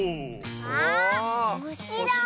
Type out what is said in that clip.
あほしだ！